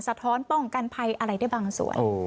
ท้อนป้องกันภัยอะไรได้บางส่วน